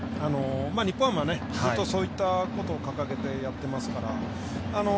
日本ハムはずっとそういったことを掲げてやってますから。